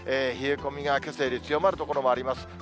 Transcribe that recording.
冷え込みがけさより強まる所もあります。